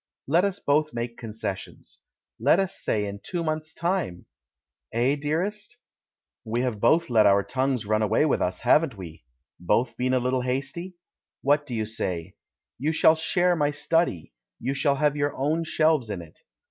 "Let us both make concessions — let us say in two months' time! Eh, dearest? We have both let our 168 THE MAN WHO UNDERSTOOD WOMEN tongues run away with us, haven't we — both been a httle hasty? What do you say? You shall share my study — you shall have your own shelves in it.